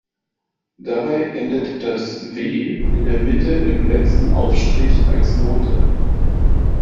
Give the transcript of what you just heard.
Dabei endet das "W" in der Mitte im letzten Aufstrich als Note.